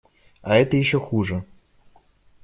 А это еще хуже.